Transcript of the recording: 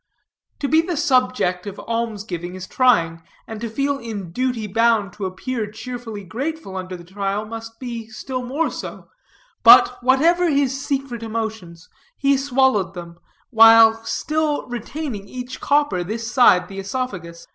To be the subject of alms giving is trying, and to feel in duty bound to appear cheerfully grateful under the trial, must be still more so; but whatever his secret emotions, he swallowed them, while still retaining each copper this side the oesophagus.